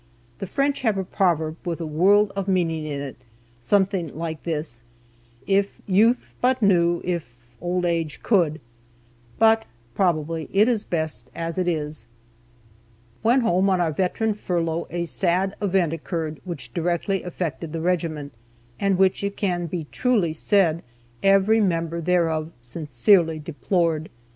The French have a proverb with a world of meaning in it, something like this: "If youth but knew if old age could!" But probably it is best as it is. [Illustration: S. P. Ohr Lieut. Colonel, 61st Illinois Infantry.] When home on our veteran furlough a sad event occurred which directly affected the regiment, and which it can be truly said every member thereof sincerely deplored.